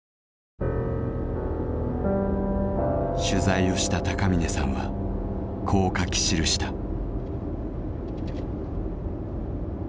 取材をした高峰さんはこう書き記した。